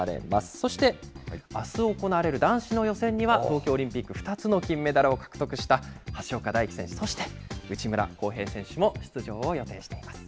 そしてあす行われる男子の予選には、東京オリンピック、２つの金メダルを獲得した橋本大輝選手、そして内村航平選手も出場を予定しています。